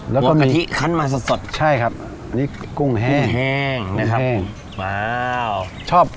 แล้วก็มีใช่ครับอันนี้กุ้งแห้งนะครับว้าว